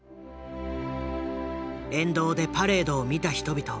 沿道でパレードを見た人々。